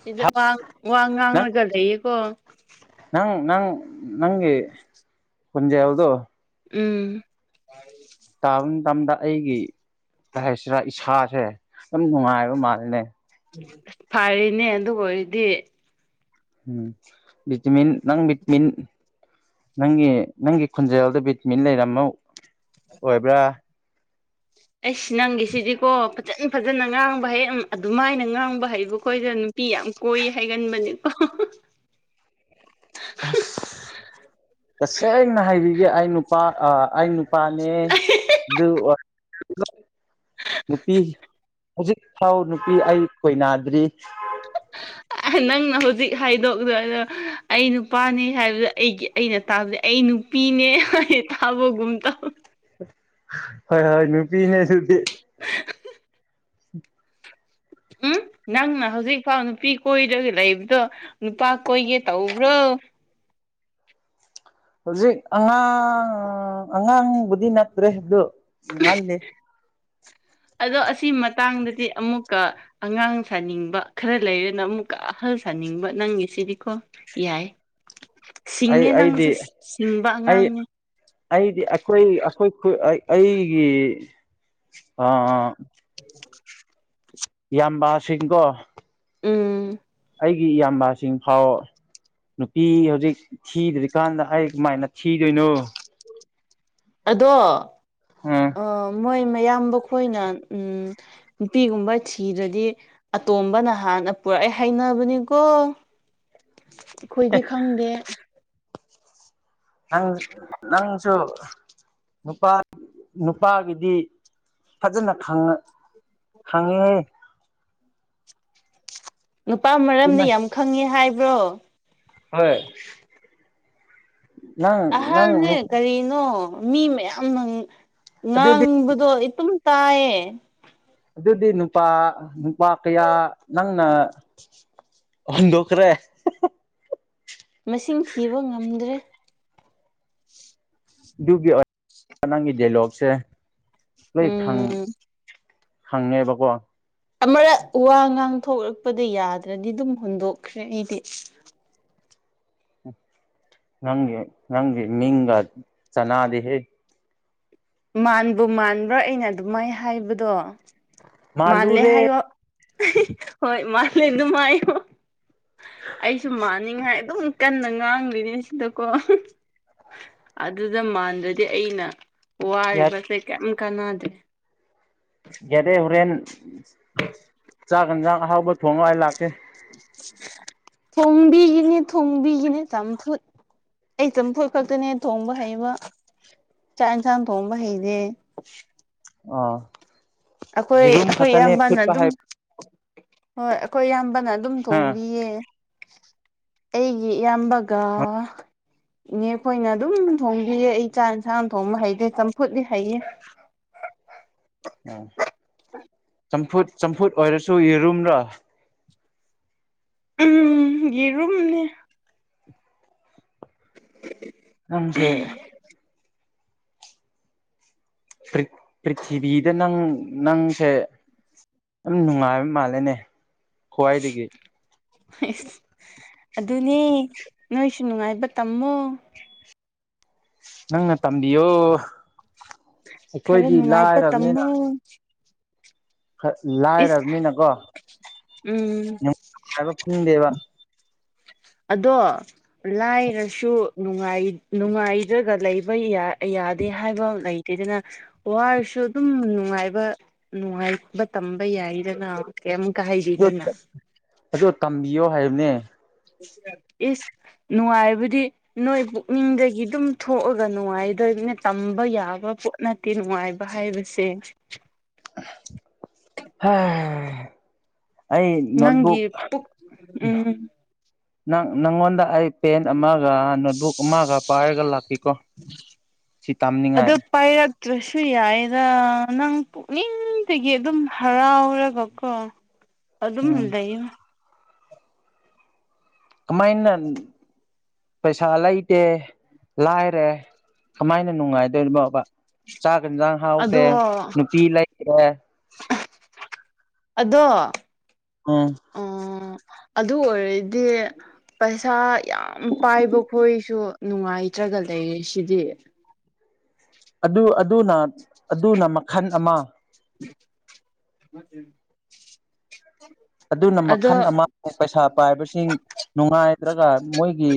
ꯁꯤꯗ ꯋꯥ ꯋꯥ ꯅꯪ ꯉꯥꯡꯉꯒ ꯂꯩꯌꯦꯀꯣ ꯅꯪ ꯅꯪ ꯅꯪꯒꯤ ꯈꯣꯖꯦꯜꯗꯣ ꯎꯝ [unintelligible] ꯇꯥꯕ ꯃꯇꯝꯗ ꯑꯩꯒꯤ ꯀꯔꯤ ꯍꯥꯏꯁꯤꯔꯥ ꯏꯁꯥꯁꯦ ꯄꯨꯛꯅꯤꯡ ꯅꯨꯡꯉꯥꯏꯕ ꯃꯥꯜꯂꯦꯅꯦ ꯐꯥꯔꯦꯅꯦ ꯑꯗꯨ ꯑꯣꯏꯔꯗꯤ ꯎꯝ ꯕꯤꯇꯃꯤꯟ ꯅꯪ ꯕꯤꯇꯤꯝ ꯅꯪꯒꯤ ꯅꯪꯒꯤ ꯈꯣꯖꯦꯜꯗ ꯕꯤꯠ ꯃꯤꯟ ꯂꯩꯔꯝꯕ ꯑꯣꯏꯕ꯭ꯔꯥ ꯑꯩꯁ ꯅꯪꯒꯤꯁꯤꯗꯤꯀꯣ ꯐꯖꯅ ꯐꯖꯅ ꯉꯥꯡꯕ ꯍꯩꯪ ꯑꯗꯨꯃꯥꯏꯅ ꯉꯥꯡꯕ ꯍꯩꯕ ꯈꯣꯏꯖꯅ ꯄꯤ ꯌꯥꯝ ꯀꯣꯏ ꯍꯥꯏꯒꯟꯕꯅꯦꯀꯣ [inaudible] ꯑꯁ ꯇꯁꯦꯡꯅ ꯍꯥꯏꯕꯤꯒꯦ ꯑꯩ ꯅꯨꯄꯥ ꯑꯩ ꯅꯨꯄꯥꯅꯦ ꯑꯗꯨ ꯅꯨꯄꯤ ꯍꯧꯖꯤꯛ ꯐꯥꯎ ꯅꯨꯄꯤ ꯑꯩ ꯈꯣꯏꯅꯥꯗ꯭ꯔꯤ [inaudible] ꯅꯪꯅ ꯍꯧꯖꯤꯛ ꯍꯥꯏꯗꯣꯛꯂ ꯑꯗꯣ ꯑꯩ ꯅꯨꯄꯥꯅꯤ ꯍꯥꯏꯕꯗ ꯑꯩꯒꯤ ꯑꯩꯅ ꯇꯥꯕꯗ ꯑꯩ ꯄꯤꯅꯦ ꯊꯕ ꯨꯨꯝꯇꯥ ꯍꯣꯏ ꯍꯣꯏ ꯅꯨꯄꯤꯅꯦꯁꯨꯗꯤ [inaudible] ꯎꯝ ꯅꯪꯅ ꯍꯧꯖꯤꯛꯐꯥꯎ ꯅꯨꯄꯤ ꯀꯣꯏꯔꯒ ꯂꯩꯕꯗꯣ ꯅꯨꯄꯥ ꯀꯣꯏꯒꯦ ꯇꯧꯕ꯭ꯔꯣ ꯍꯧꯖꯤꯛ ꯑꯉꯥꯡ ꯑꯉꯥꯡꯕꯨꯗꯤ ꯅꯠꯇ꯭ꯔꯦꯗꯣ ꯉꯜꯂꯤꯦ [inaudible] ꯑꯗꯣ ꯑꯁꯤ ꯃꯇꯥꯡꯗꯗꯤ ꯑꯃꯨꯛꯀ ꯑꯉꯥꯡ ꯁꯥꯅꯤꯡꯕ ꯈꯔ ꯂꯩꯔꯦꯅ ꯑꯃꯨꯛꯀ ꯑꯍꯜ ꯁꯥꯅꯤꯡꯕ ꯅꯪꯉꯤ ꯁꯤꯗꯤꯀꯣ ꯌꯥꯏ ꯑꯩ ꯁꯤꯡꯉꯦ ꯑꯩꯗꯤ ꯅꯪꯁꯦ ꯁꯤꯡꯕ ꯑꯩ ꯑꯉꯥꯡꯅꯦ ꯑꯩꯗꯤ ꯑꯩꯈꯣꯏ ꯑꯩꯈꯣꯏ ꯑꯩꯒꯤ ꯑ [inaudible] ꯏꯌꯥꯝꯕꯁꯤꯡꯀꯣ ꯎꯝ ꯑꯩꯒꯤ ꯏꯌꯥꯝꯕꯁꯤꯡ ꯐꯥꯎ ꯅꯨꯄꯤ ꯍꯧꯖꯤꯛ ꯊꯤꯗ꯭ꯔꯤꯀꯥꯟꯗ ꯑꯩ ꯀꯃꯥꯏꯅ ꯊꯤꯗꯣꯏꯅꯣ ꯑꯗꯣ ꯎꯝ ꯃꯣꯏ ꯃꯌꯥꯝꯈꯣꯏꯅ ꯎꯝ ꯅꯨꯄꯤꯒꯨꯝꯕ ꯊꯤꯗꯗꯤ ꯑꯇꯣꯝꯕ ꯅꯍꯥꯟꯅ ꯄꯨꯔꯛꯑꯦ ꯍꯅꯕꯅꯤꯀꯣ ꯑꯩꯈꯣꯏꯗꯤ ꯈꯪꯗꯦ ꯅꯪ ꯅꯪꯁꯨ ꯅꯨꯄꯥ ꯅꯨꯄꯥꯒꯤꯗꯤ ꯐꯖꯅ ꯈꯪꯉꯦ ꯅꯨꯄꯥ ꯃꯔꯝꯗꯤ ꯌꯥꯝ ꯈꯪꯉꯦ ꯍꯥꯏꯕ꯭ꯔꯣ ꯍꯣꯏ ꯅꯪ ꯅꯪ ꯑꯍꯥꯟꯕꯅꯦ ꯅꯨ- ꯀꯔꯤꯅꯣ ꯃꯤ ꯃꯌꯥꯝꯅ ꯑꯗꯨꯗꯤ ꯉꯥꯡꯕꯗꯣ ꯏꯇꯝ ꯇꯥꯏꯌꯦ ꯑꯗꯨꯗꯤ ꯅꯨꯄꯥ ꯅꯨꯄꯥ ꯀꯌꯥ ꯅꯪꯅ ꯑꯍꯨꯟꯗꯣꯈ꯭ꯔꯦ ꯃꯁꯤꯡ ꯊꯤꯕ ꯉꯝꯗ꯭ꯔꯦ ꯑꯗꯨꯒꯤ ꯅꯪꯒꯤ ꯗꯥꯏꯂꯣꯛꯁꯦ ꯂꯣꯏ ꯈꯪ ꯎꯝ ꯍꯪꯉꯦꯕꯀꯣ ꯑꯃꯔꯛ ꯋꯥ ꯉꯥꯡꯊꯣꯛꯂꯛꯄꯗ ꯌꯥꯗ꯭ꯔꯗꯤ ꯑꯗꯨꯝ ꯍꯨꯟꯗꯣꯛꯈ꯭ꯔꯦ ꯑꯩꯗꯤ ꯅꯪ ꯅꯪ ꯃꯤꯡꯒ ꯆꯅꯥꯗꯦꯍꯦ ꯃꯕꯨ ꯃꯥꯟꯕ꯭ꯔꯥ ꯑꯩꯅ ꯑꯗꯨꯃꯥꯏ ꯍꯥꯏꯕꯗꯣ ꯃꯥꯜꯂꯦ ꯃꯥꯜꯂꯨꯔꯦ ꯍꯥꯏꯌꯣ ꯍꯣꯏ ꯃꯥꯜꯂꯦ ꯑꯗꯨꯝꯍꯥꯏꯌꯣ ꯑꯩꯁꯨ ꯃꯥꯅꯤꯡꯉꯥꯏ ꯑꯗꯨꯝ ꯀꯟꯅ ꯉꯥꯡꯂꯤꯅꯤ ꯁꯤꯗꯀꯣ ꯑꯗꯨꯗ ꯃꯥꯟꯗ꯭ꯔꯗꯤ ꯑꯩꯅ ꯋꯥꯔꯤꯕꯁꯦ ꯀꯩꯝ ꯀꯥꯟꯅꯗꯦ ꯌꯥꯦꯔꯦ ꯍꯣꯔꯦꯟ ꯆꯥꯛ ꯌꯦꯟꯁꯥꯡ ꯑꯍꯥꯎꯕ ꯊꯣꯡꯉꯥꯏ ꯂꯥꯛꯀꯦ [inaudible] ꯊꯣꯡꯕꯤꯒꯤꯅꯦ ꯊꯣꯡꯕꯤꯒꯤꯅꯦ ꯆꯝꯐꯨꯠ ꯑꯩ ꯆꯝꯐꯨꯣꯏ ꯈꯛꯇꯅꯦ ꯊꯣꯡꯕ ꯍꯩꯕ ꯆꯥꯛ ꯌꯦꯟꯁꯥꯡ ꯊꯣꯡꯕ ꯍꯩꯔꯦ ꯑꯥ ꯑꯩꯈꯣꯏ ꯌꯦꯔꯨꯝ ꯑꯩꯈꯣꯏ ꯈꯛꯇꯅꯦ ꯏꯌꯥꯝꯕꯅ ꯐꯨꯠꯄ ꯑꯗꯨꯝ ꯍꯥꯏꯕ ꯍꯣꯏ ꯑꯩꯈꯣꯏ ꯑꯌꯥꯝꯕꯅ ꯑꯗꯨꯝ ꯊꯣꯡꯕꯤꯌꯦ [inaudible] ꯑꯩꯒꯤ ꯏꯌꯥꯝꯕꯒ ꯏꯅꯦ ꯑꯩꯈꯣꯏꯅ ꯑꯗꯨꯝ ꯊꯣꯡꯕꯤꯌꯦ ꯑꯩ ꯆꯥꯛ ꯏꯟꯁꯥꯡ ꯑꯃ ꯊꯣꯡꯕ ꯍꯩꯇꯦ ꯆꯝꯐꯨꯠꯂꯤ ꯍꯩꯌꯦ ꯑ ꯑ ꯆꯝꯐꯨꯠ ꯆꯝꯐꯨꯠ ꯑꯣꯏꯔꯁꯨ ꯌꯦꯔꯨꯝꯅ ꯎꯝ ꯌꯦꯔꯨꯝꯅꯦ [inaudible] ꯅꯪꯁꯦ ꯄ꯭ꯔꯤꯊꯤꯕꯤꯗ ꯅꯪ ꯅꯪꯁꯦ ꯌꯥꯝ ꯅꯨꯡꯉꯥꯏꯕ ꯃꯥꯜꯂꯦꯅꯦ ꯈ꯭ꯋꯥꯏꯗꯒꯤ ꯑꯁ ꯑꯗꯨꯅꯦ ꯅꯣꯏꯁꯨ ꯅꯨꯡꯉꯥꯏꯕ ꯇꯝꯃꯣ ꯅꯪꯅ ꯇꯝꯕꯤꯌꯣ ꯈꯔ ꯑꯩꯈꯣꯏꯗꯤ ꯅꯨꯡꯉꯥꯏꯕ ꯂꯥꯏꯔꯕꯅꯤꯅ ꯇꯝꯃꯣ ꯏꯁ ꯂꯥꯏꯔꯕꯅꯤꯅꯀꯣ ꯎꯝ ꯉꯥꯏꯕ ꯐꯪꯗꯦꯕ ꯑꯗꯣ ꯂꯥꯏꯔꯁꯨ ꯅꯨꯡꯉꯥꯏꯗ꯭ꯔꯒ ꯂꯩꯕ ꯌꯥꯗꯦ ꯍꯥꯏꯕ ꯂꯩ ꯗꯅ ꯋꯥꯔꯁꯨ ꯑꯗꯨꯝ ꯅꯨꯡꯉꯥꯏꯕ ꯅꯨꯡꯉꯥꯏꯕ ꯇꯝꯕ ꯌꯥꯏꯗꯅ ꯀꯃꯨꯛ ꯀ ꯍꯥꯏꯗꯤ ꯀꯅꯥ ꯑꯗꯣ ꯇꯝꯕꯤꯌꯣ ꯍꯥꯏꯕꯅꯦ ꯏꯁ ꯅꯨꯡꯉꯥꯏꯕꯗꯤ ꯅꯣꯏ ꯄꯨꯛꯅꯤꯡꯗꯒꯤ ꯑꯗꯨꯝ ꯊꯣꯛꯑꯒ ꯅꯨꯡꯉꯥꯏꯗꯣꯏꯕꯅꯦ ꯇꯝꯕ ꯌꯥꯕ ꯄꯣꯠꯅ ꯅꯨꯡꯉꯥꯏꯕ ꯍꯥꯏꯕꯁꯦ ꯍꯝ ꯑꯩ ꯅꯪꯒꯤ ꯅꯣꯠꯕꯨꯛꯪ ꯄꯨꯛ ꯎꯝ ꯅꯪꯉꯣꯟꯗ ꯑꯩ ꯄꯦꯟ ꯑꯃꯒ ꯅꯣꯠꯕꯨꯛ ꯑꯃꯒ ꯄꯥꯏꯔꯒ ꯂꯥꯛꯈꯤꯀꯣ ꯁꯤ ꯑꯗꯨ ꯇꯥꯝꯅꯤꯡꯉꯥꯏ ꯄꯥꯏꯔꯛꯇ꯭ꯔꯁꯨ ꯌꯥꯏꯔ ꯅꯪ ꯄꯨꯛꯅꯤꯡꯗꯒꯤ ꯑꯗꯨꯝ ꯍꯔꯥꯎꯔꯒꯀꯣ ꯑꯗꯨꯝ ꯎꯝ ꯂꯩꯌ ꯀꯃꯥꯏꯅ ꯄꯩꯁꯥ ꯂꯩꯇꯦ ꯂꯥꯏꯔꯦ ꯀꯃꯥꯏꯅ ꯅꯨꯡꯉꯥꯏꯗꯣꯏꯅ ꯕ ꯆꯥꯛꯒ ꯌꯦꯟꯁꯥꯡ ꯍꯥꯎꯇꯦ ꯑꯗꯣ ꯅꯨꯄꯤ ꯂꯩꯇꯦ ꯑꯗꯣ ꯑꯝ ꯑꯣ ꯑꯗꯨ ꯑꯣꯏꯔꯗꯤ ꯄꯩꯁꯥ ꯌꯥꯝ ꯄꯥꯏꯕ ꯈꯣꯏꯁꯨ ꯅꯨꯡꯉꯥꯏꯇ꯭ꯔꯒ ꯂꯩꯔ ꯁꯤꯗꯤ ꯑꯗꯨ ꯑꯗꯨꯅ ꯑꯗꯨꯅ ꯃꯈꯜ ꯑꯃ [inaudible] ꯑꯗꯨꯅ ꯑꯗꯣ ꯃꯈꯜ ꯑꯃ ꯄꯩꯁꯥ ꯄꯥꯏꯕꯁꯤꯡ ꯅꯨꯡꯉꯥꯏꯗ꯭ꯔꯒ ꯃꯣꯏꯒꯤ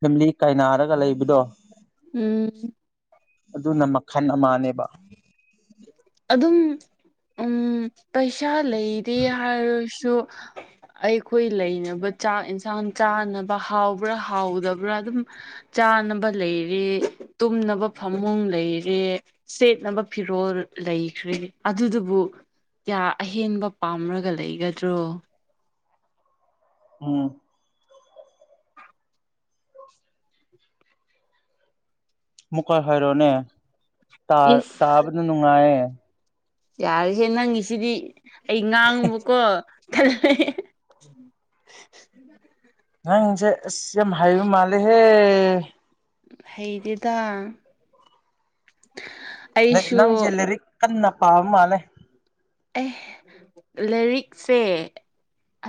ꯐꯦꯃꯤꯂꯤ ꯀꯥꯏꯅꯥꯔꯒ ꯂꯩꯕꯗꯣ ꯎꯝ ꯑꯗꯨꯅ ꯃꯈꯜ ꯑꯃꯅꯦꯕ ꯑꯗꯨꯝ ꯎꯝ ꯄꯩꯁꯥ ꯂꯩꯗꯦ ꯍꯥꯏꯔꯁꯨ ꯑꯩꯈꯣꯏ ꯂꯩꯅꯕ ꯆꯥꯛ ꯌꯦꯟꯁꯥꯡ ꯆꯥꯅꯕ ꯍꯥꯎꯕ꯭ꯔꯥ ꯍꯥꯎꯗꯕ꯭ꯔꯥ ꯑꯗꯨꯝ ꯆꯥꯅꯕ ꯂꯩꯔꯦ ꯇꯨꯝꯅꯕ ꯐꯃꯨꯡ ꯂꯩꯔꯦ ꯁꯦꯠꯅꯕ ꯐꯤꯔꯣꯜ ꯂꯩꯈ꯭ꯔꯦ ꯑꯗꯨꯗꯨꯕꯨ ꯀꯌꯥ ꯑꯍꯦꯟꯕ ꯄꯥꯝꯔꯒ ꯂꯩꯒꯗ꯭ꯔꯣ ꯎꯝ ꯃꯨꯛꯀ ꯍꯥꯏꯔꯣꯅꯦ ꯏꯁ ꯇꯥꯕꯗ ꯅꯨꯡꯉꯥꯏꯌꯦ ꯌꯥꯔꯤꯁꯦ ꯅꯪꯒꯤꯁꯤꯗꯤ ꯑꯩ ꯉꯥꯡꯉꯨꯕꯀꯣ [inaudible] ꯅꯥꯡꯁꯦ ꯑꯁ ꯌꯥꯝ ꯍꯥꯏꯕ ꯃꯥꯜꯂꯦꯍꯦ ꯍꯩꯗꯦꯗ ꯑꯩꯁꯨ ꯅꯪꯁꯦ ꯂꯥꯏꯔꯤꯛ ꯀꯟꯅ ꯄꯥꯕ ꯃꯥꯜꯂꯦ ꯑꯦ ꯂꯥꯏꯔꯤꯛꯁꯦ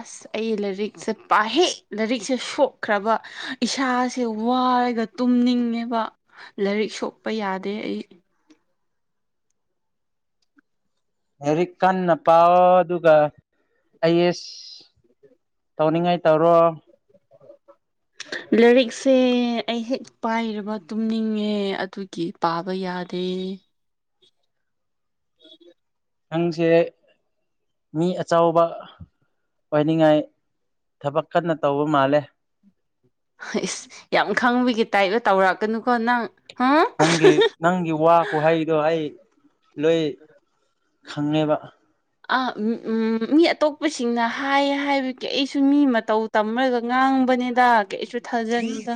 ꯑꯁ ꯑꯩ ꯂꯥꯏꯔꯤꯛꯁꯦ ꯄꯥꯍꯦ ꯂꯥꯏꯔꯤꯛꯁꯦ ꯁꯣꯛꯈ꯭ꯔꯕ ꯏꯁꯥꯁꯦ ꯋꯥꯔꯒ ꯇꯨꯝꯅꯤꯡꯉꯦꯕ ꯂꯥꯏꯔꯤꯛ ꯁꯣꯛꯄ ꯌꯥꯗꯦ ꯑꯩ ꯍꯦꯔꯤꯛ ꯀꯥꯟꯟꯅ ꯄꯥꯎ ꯑꯗꯨꯒ ꯑꯩꯁ ꯇꯧꯅꯤꯡꯉꯥꯏ ꯇꯧꯔꯣ ꯂꯔꯤꯛꯁꯦ ꯑꯩ ꯍꯦꯛ ꯄꯥꯏꯔꯕ ꯇꯨꯝꯅꯤꯡꯉꯦ ꯑꯗꯨꯒꯤ ꯄꯥꯕ ꯌꯥꯗꯦ ꯎꯝ ꯅꯪꯁꯦ ꯃꯤ ꯑꯆꯥꯎꯕ ꯑꯣꯏꯅꯤꯡꯉꯥꯏ ꯊꯕꯛ ꯀꯟꯅ ꯇꯧꯕ ꯃꯥꯜꯂꯦ ꯏꯁ ꯌꯥꯝ ꯈꯪꯕꯒꯤ ꯇꯥꯏꯞꯒ ꯇꯧꯔꯛꯀꯅꯨꯀꯣ ꯅꯪ ꯍꯥ ꯅꯪꯒꯤ ꯅꯪꯒꯤ ꯋꯥ ꯀꯍꯩꯗꯣ ꯑꯩ ꯂꯣꯏ ꯈꯪꯉꯦꯕ ꯃꯤ ꯑꯇꯣꯞꯄꯁꯤꯡꯅ ꯍꯥꯏꯌꯦ ꯍꯥꯏꯕꯒꯤ ꯑꯩꯁꯨ ꯃꯤ ꯃꯇꯧ ꯇꯝꯃꯒ ꯉꯥꯡꯕꯅꯤꯗ ꯀꯩꯁꯨ ꯊꯥꯖꯅꯤꯗ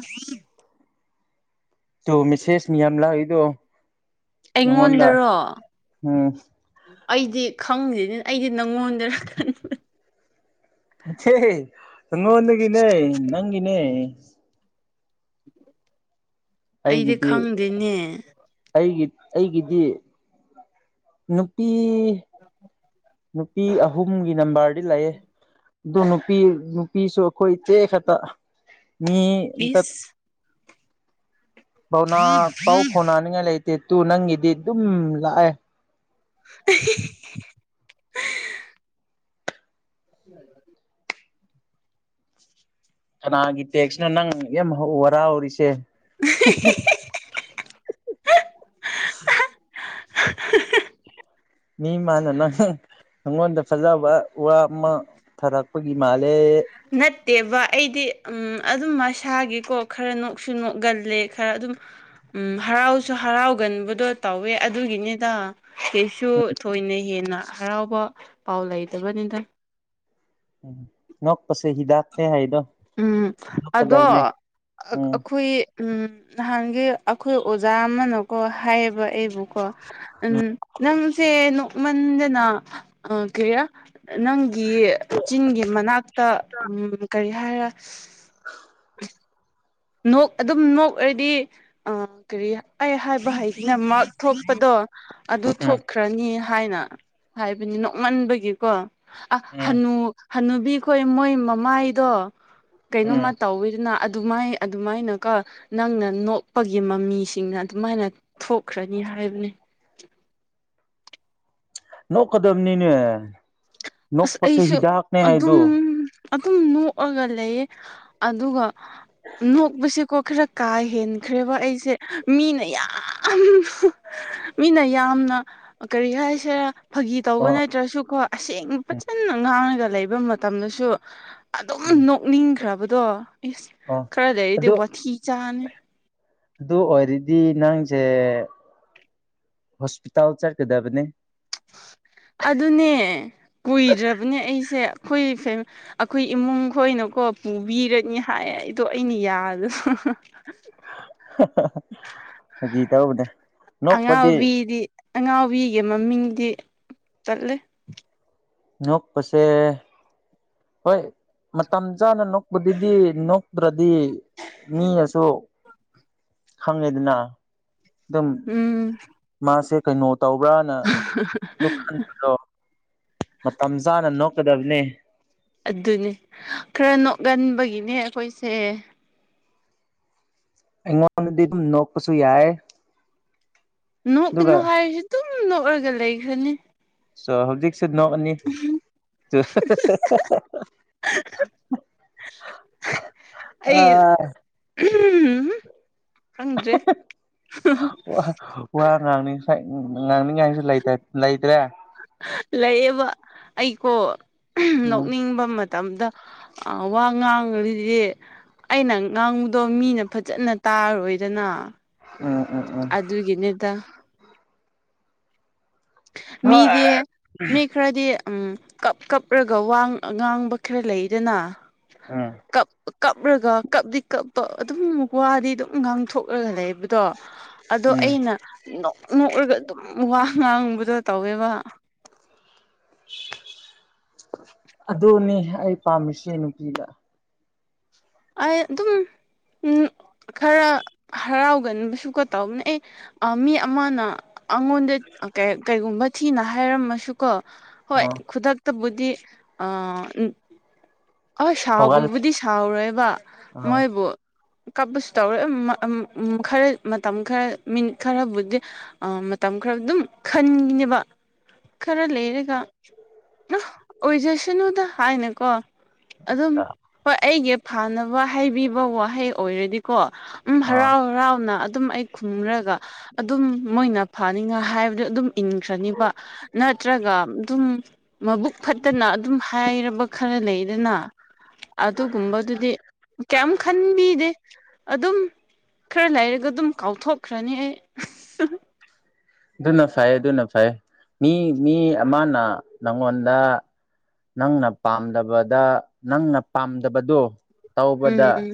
ꯇꯨ ꯃꯤꯁꯦꯁ ꯃꯤ ꯌꯥꯝ ꯑꯃ ꯂꯛ ꯏꯗꯣ ꯑꯩꯉꯣꯟꯗꯔꯣ ꯎꯝ ꯑꯩꯗꯤ ꯈꯪꯁꯤꯅꯤ ꯑꯩꯗꯤ ꯅꯪꯉꯣꯟꯗꯅ ꯅꯉꯣꯟꯗ ꯒꯤꯅꯦ ꯅꯪꯒꯤꯅꯦ ꯑꯩꯗꯤ ꯑꯩꯒꯤꯗꯤ ꯈꯪꯗꯦꯅꯦ ꯑꯩꯒꯤ ꯑꯩꯒꯤꯗꯤ ꯅꯨꯄꯤ ꯅꯨꯄꯤ ꯑꯍꯨꯝꯒꯤ ꯅꯝꯕꯔꯗꯤ ꯂꯩꯌꯦ ꯑꯗꯨ ꯅꯨꯄꯤ ꯅꯨꯄꯤꯁꯨ ꯑꯩꯈꯣꯏ ꯏꯇꯦ ꯈꯛꯇ ꯃꯤ ꯑꯝꯇ ꯕꯤꯁ ꯄꯥꯎꯅꯥ ꯄꯥꯎ ꯐꯥꯎꯅꯅꯤꯡꯉꯥꯏ ꯂꯩꯇꯦ ꯇꯨ ꯅꯪꯒꯤꯗꯤ ꯑꯗꯨꯝ ꯂꯥꯛꯑꯦ ꯑ ꯎꯝ ꯀꯅꯥꯒꯤ ꯇꯦꯛꯁꯅꯣ ꯅꯪ ꯌꯥꯝ ꯍꯔꯥꯎꯔꯤꯁꯦ [unintelligible] [unintelligible] ꯃꯤ ꯃꯥꯅꯦꯅ ꯑꯩꯉꯣꯟꯗ ꯐꯖꯕ ꯋꯥ ꯑꯃ ꯐꯥꯔꯛꯄꯒꯤ ꯃꯥꯜꯂꯦ ꯅꯠꯇꯦꯕ ꯑꯩꯗꯤ ꯎꯝ ꯑꯗꯨꯝ ꯃꯁꯥꯒꯤꯀꯣ ꯈꯔ ꯅꯣꯛꯁꯨ ꯅꯣꯛꯒꯜꯂꯦ ꯈꯔ ꯑꯗꯨꯝ ꯎꯝ ꯍꯔꯥꯎꯁꯨ ꯍꯔꯥꯎꯒꯟꯕꯗꯣ ꯇꯧꯋꯦ ꯑꯗꯨꯒꯤꯅꯤꯗ ꯀꯩꯁꯨ ꯊꯣꯏꯅ ꯍꯦꯟꯅ ꯍꯔꯥꯎꯕ ꯄꯥꯎ ꯂꯩꯗꯕꯅꯤꯗ ꯅꯣꯛꯄꯁꯦ ꯍꯤꯗꯥꯛꯅꯦ ꯍꯥꯏꯗꯣ ꯎꯝ ꯑꯗꯣ ꯅꯣꯛꯀꯗꯕꯅꯦ ꯎꯝ ꯑꯩꯈꯣꯏ ꯎꯝ ꯅꯍꯥꯟꯒꯤ ꯑꯩꯈꯣꯏ ꯑꯣꯖꯥ ꯑꯃꯅꯀꯣ ꯍꯥꯏꯌꯦꯕ ꯑꯩ ꯑꯣ ꯎꯝ ꯅꯪꯁꯦ ꯅꯣꯛꯃꯟꯗꯅ ꯀ ꯅꯪꯒꯤ ꯆꯤꯟꯒꯤ ꯃꯅꯥꯛꯇ ꯎꯝ ꯀꯔꯤ ꯍꯥꯏꯔ ꯅꯣꯛ ꯑꯗꯨꯝ ꯅꯣꯛ ꯑꯣꯏꯔꯗꯤ ꯑ ꯀꯔꯤ ꯑꯩ ꯍꯥꯏꯕ꯭ꯔꯥ ꯍꯥꯏ ꯃꯛ ꯊꯣꯛꯄꯗꯣ ꯑꯗꯨ ꯎꯝ ꯅꯠꯇ꯭ꯔꯅꯤ ꯍꯥꯏꯅ ꯍꯥꯏꯕꯅꯤ ꯅꯣꯡꯃꯟꯕꯒꯤꯀꯣ ꯑ ꯎꯝ ꯍꯅꯨ ꯍꯅꯨꯕꯤꯈꯣ ꯃꯣꯏ ꯃꯃꯥꯏꯗꯣ ꯎꯝ ꯀꯩꯅꯣꯃ ꯇꯧꯋꯤꯗꯅ ꯑꯗꯨꯃꯥꯏ ꯑꯗꯨꯃꯥꯏꯅꯀꯣ ꯅꯪꯅ ꯅꯣꯛꯄꯒꯤ ꯃꯃꯤꯁꯤꯡꯅ ꯑꯗꯨꯃꯥꯏꯅ ꯊꯣꯛꯈ꯭ꯔꯅꯤ ꯍꯥꯏꯕꯅꯤ꯫ ꯅꯣꯛꯀꯗꯕꯅꯤꯅꯦ ꯑꯁ ꯅꯣꯛꯄꯁꯦ ꯑꯩꯁꯨ ꯍꯤꯗꯥꯛꯅꯦ ꯍꯥꯏꯗꯣ꯫ ꯑꯗꯨꯝ ꯑꯗꯨꯝ ꯅꯣꯛꯑꯒ ꯂꯩꯌꯦ ꯑꯗꯨꯒ ꯅꯣꯛꯄꯁꯦ ꯀꯣ ꯈꯔ ꯀꯥ ꯍꯦꯟꯈ꯭ꯔꯦꯕ ꯑꯩꯁꯦ ꯃꯤꯅ ꯌꯥꯝ ꯃꯤꯅ ꯌꯥꯝꯅ ꯀꯔꯤ ꯍꯥꯏꯁꯤꯔ ꯐꯥꯒꯤ ꯑ ꯇꯧꯕ ꯅꯠꯇ꯭ꯔꯁꯨꯀꯣ ꯑꯁꯦꯡ ꯎꯝ ꯐꯖꯅ ꯉꯥꯡꯉꯒ ꯂꯩꯕ ꯃꯇꯝꯗꯁꯨ ꯑꯗꯨꯝ ꯎꯝ ꯅꯣꯛꯅꯤꯡꯈ꯭ꯔꯕꯗꯣ ꯏꯁ ꯑ ꯈꯔ ꯂꯩꯔꯗꯤ ꯑꯗꯨ ꯋꯥꯊꯤ ꯆꯥꯅꯤ ꯑꯗꯨ ꯑꯣꯏꯔꯗꯤ ꯅꯪꯖꯦ ꯍꯣꯁꯄꯤꯇꯥꯜ ꯆꯠꯀꯗꯕꯅꯦ ꯑꯗꯨꯅꯦ ꯀꯨꯏꯗ꯭ꯔꯕꯅꯦ ꯑꯩꯁꯦ ꯑꯩꯈꯣꯏ ꯑꯩꯈꯣꯏ ꯏꯃꯨꯡ ꯈꯣꯏꯅꯀꯣ ꯄꯨꯕꯤꯔꯅꯤ ꯍꯥꯏꯌꯦ ꯑꯩꯗꯣ ꯑꯩꯅ ꯌꯥꯗꯕ ꯐꯥꯒꯤ ꯇꯧꯕꯅꯦ ꯅꯣꯛꯄꯗꯤ ꯀꯤꯗꯤ ꯑꯉꯥꯎꯕꯤꯒꯤ ꯃꯃꯤꯡꯗꯤ ꯇꯜꯂꯦ ꯅꫭꯛꯄꯁꯦ ꯍꯣꯏ ꯃꯇꯝ ꯆꯥꯅ ꯅꯣꯛꯄꯗꯨꯗꯤ ꯅꯣꯛꯇ꯭ꯔꯗꯤ ꯃꯤꯅꯁꯨ ꯈꯪꯉꯦꯗꯅ ꯗꯨꯝ ꯎꯝ ꯃꯥꯁꯦ ꯀꯩꯅꯣ ꯇꯧꯕ꯭ꯔꯅ ꯗꯨꯝꯈꯪ ꯃꯇꯝ ꯆꯥꯅ ꯅꯣꯛꯀꯗꯕꯅꯦ ꯑꯗꯨꯅꯦ ꯈꯔ ꯅꯣꯛꯒꯟꯕꯒꯤꯅꯦ ꯑꯈꯣꯏꯁꯦ ꯑꯩꯉꯣꯟꯗꯗꯤ ꯑꯗꯨꯝ ꯅꯣꯛꯄꯁꯨ ꯌꯥꯏꯌꯦ ꯅꯣꯛꯀꯅꯨ ꯍꯥꯏꯔꯁꯨ ꯑꯗꯨꯝ ꯅꯣꯛꯂꯒ ꯂꯩꯈ꯭ꯔꯅꯤ ꯁꯣ ꯍꯧꯖꯤꯛꯁꯨ ꯅꯣꯛꯑꯅꯤ ꯇꯨ ꯑꯥ ꯎꯝ ꯈꯪꯗ꯭ꯔꯦ ꯋꯥ ꯋꯥ ꯉꯥꯡꯅꯤꯡꯁꯥꯏ ꯉꯥꯡꯅꯤꯡꯉꯥꯏꯁꯨ ꯂꯩꯔꯇ ꯂꯩꯇ꯭ꯔꯦ ꯂꯩꯌꯦꯕ ꯑꯩꯀꫭ ꯎꯝ ꯅꯣꯛꯅꯤꯡꯕꯃ ꯇꯝꯗ ꯑ ꯋꯥ ꯉꯥꯡꯔꯤꯗꯤ ꯑꯩꯅ ꯉꯥꯡꯕꯗꯣ ꯃꯤꯅ ꯐꯖꯅ ꯇꯥꯔꯣꯏꯗꯅ ꯎꯝ ꯎꯝ ꯎꯝ ꯑꯗꯨꯒꯤꯅꯤꯗ ꯃꯤꯗꯤ ꯍꯣꯏ ꯃꯤ ꯈꯔꯗꯤ ꯎꯝ ꯀꯞ ꯀꯞꯔꯒ ꯋꯥ ꯉꯥꯡꯕ ꯈꯔ ꯂꯩꯗꯅ ꯑꯥ ꯀꯞ ꯀꯞꯔꯒ ꯀꯞꯗꯤ ꯀꯞꯄ ꯑꯗꯨꯝ ꯋꯥꯗꯤ ꯗꯨꯝ ꯉꯥꯡꯊꯣꯛꯔꯒ ꯂꯩꯕ ꯗꯣ ꯑꯗꯣ ꯎꯝ ꯑꯩꯅ ꯅꯣꯛ ꯅꯣꯛꯂꯒ ꯑꯗꯨꯝ ꯋꯥ ꯉꯥꯡꯕꯗꯣ ꯇꯧꯋꯦꯕ ꯑꯗꯨꯅꯤ ꯑꯩ ꯄꯥꯝꯃꯤꯁꯦ ꯅꯨꯄꯤꯗ ꯑꯩ ꯑꯗꯨꯝ ꯎꯝ ꯈꯔ ꯍꯔꯥꯎꯒꯟꯕꯁꯨ ꯀ ꯇꯧꯕꯅꯦ ꯑꯩ ꯑ ꯃꯤ ꯑꯃꯅ ꯑꯉꯣꯟꯗ ꯑꯪ ꯀꯩꯒꯨꯝꯕ ꯊꯤꯅ ꯍꯥꯏꯔꯝꯃꯁꯨꯀꯣ ꯍꯣꯏ ꯑꯥ ꯈꯨꯗꯛꯇꯕꯨꯗꯤ ꯑꯥ ꯍꯣꯏ ꯍꯧꯒꯠ ꯁꯥꯎꯕꯕꯨꯗꯤ ꯁꯥꯎꯔꯣꯏꯕ ꯑꯥ ꯃꯣꯏ ꯕꯨ ꯀꯞꯄꯁꯨ ꯇꯧꯔꫭꯏ ꯑꯥ ꯎꯝ ꯈꯔ ꯃꯇꯝ ꯈꯔ ꯃꯤꯅꯤꯠ ꯈꯔꯕꯨꯗꯤ ꯑꯥ ꯃꯇꯝ ꯈꯔ ꯑꯗꯨꯝ ꯈꯟꯒꯤꯅꯦꯕ ꯈꯔ ꯂꯩꯔꯒ ꯅ ꯑꯣꯏꯖꯁꯅꯨꯗ ꯍꯥꯏꯅꯀꯣ ꯑꯗꯨꯝ ꯍꯣꯏ ꯑꯩꯒꯤ ꯐꯥꯅꯕ ꯍꯥꯏꯕꯤꯕ ꯋꯥꯍꯩ ꯑꯣꯏꯔꯗꯤꯀꯣ ꯎꯝ ꯑꯥ ꯍꯔꯥꯎ ꯍꯔꯥꯎꯅ ꯑꯗꯨꯝ ꯑꯩ ꯈꯨꯝꯔꯒ ꯑꯗꯨꯝ ꯃꯣꯏꯅ ꯐꯅꯤꯅ ꯍꯥꯏꯕꯗꯨ ꯑꯗꯨꯝ ꯏꯟꯈ꯭ꯔꯅꯤꯕ ꯅꯠꯇ꯭ꯔꯒ ꯑꯗꯨꯝ ꯃꯕꯨꯛ ꯐꯠꯇꯅ ꯑꯗꯨꯝ ꯍꯥꯏꯔꯕ ꯈꯔ ꯂꯩꯗꯅ ꯑꯗꯨꯒꯨꯝꯕꯗꯨ ꯀꯩꯝ ꯈꯟꯕꯤꯗꯦ ꯑꯗꯨꯝ ꯈꯔ ꯂꯩꯔꯒꯗꯨꯝ ꯀꯥꯎꯊꯣꯛꯈ꯭ꯔꯅꯤ ꯑꯩ ꯑꯗꯨꯅ ꯐꯩ ꯑꯗꯨꯅ ꯐꯩꯌꯦ ꯃꯤ ꯃꯤ ꯑꯃꯅ ꯅꯪꯉꯣꯟꯗ ꯅꯪꯅ ꯄꯥꯝꯗꯕꯗ ꯅꯪꯅ ꯄꯥꯝꯗꯕꯗꫭ ꯇꯧꯕꯗ ꯎꯝ